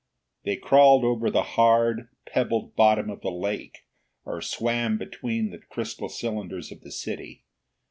The crawled over the hard, pebbled bottom of the lake, or swam between the crystal cylinders of the city.